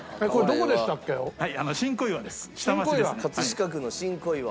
飾区の新小岩。